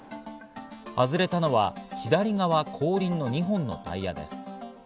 外れたのは左側後輪の２本のタイヤです。